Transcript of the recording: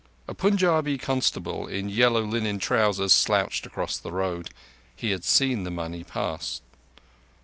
A Punjabi constable in yellow linen trousers slouched across the road. He had seen the money pass.